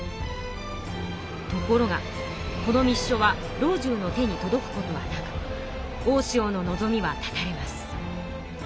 ところがこの密書は老中の手に届くことはなく大塩の望みは断たれます。